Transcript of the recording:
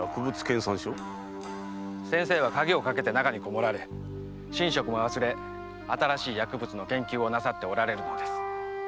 先生は鍵をかけて中にこもられ寝食も忘れ新しい薬物の研究をなさっておられるのです。